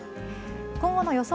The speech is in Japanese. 今後の予想